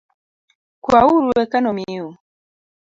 Kwauru eka nomiu